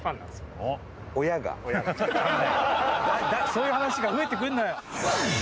そういう話が増えてくるのよ。